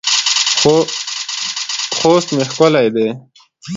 خوست مې ښکلی دی